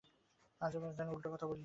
আজ আবার যেন উল্টা কথা বলিলেন।